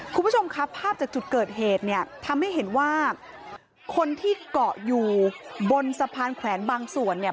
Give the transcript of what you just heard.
คุณผู้ชมครับภาพจากจุดเกิดเหตุเนี่ยทำให้เห็นว่าคนที่เกาะอยู่บนสะพานแขวนบางส่วนเนี่ย